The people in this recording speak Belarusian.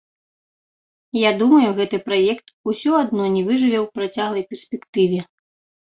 Я думаю, гэты праект усё адно не выжыве ў працяглай перспектыве.